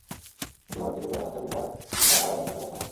কিন্তু ভারত থেকে পেঁয়াজ আমদানি হওয়ায় তাঁর আড়াই লাখ টাকা লোকসান হয়েছে।